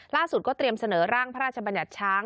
ล่าสุดก็เตรียมเสนอร่างพระราชบัญญัติช้าง